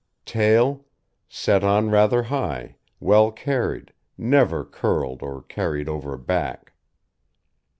TAIL Set on rather high, well carried, never curled or carried over back.